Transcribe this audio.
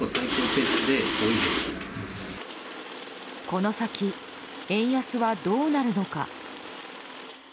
この先、円安はどうなるのか。